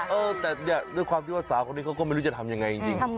เออแต่เนี่ยด้วยความที่ว่าสาวคนนี้เขาก็ไม่รู้จะทำยังไงจริง